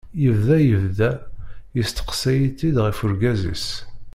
Yebda yebda yesteqsay-itt-id ɣef urgaz-is.